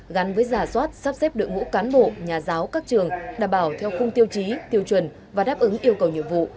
gắn với giả soát sắp xếp đội ngũ cán bộ nhà giáo các trường đảm bảo theo khung tiêu chí tiêu chuẩn và đáp ứng yêu cầu nhiệm vụ